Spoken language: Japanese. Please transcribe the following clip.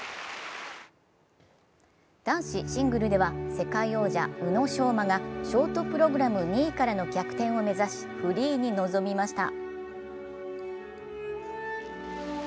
男子シングルでは、世界王者・宇野昌磨がショートプログラム２位からの逆転を目指しフリーに臨みました。